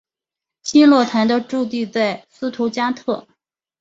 新乐团的驻地在斯图加特。